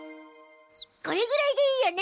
これぐらいでいいよね。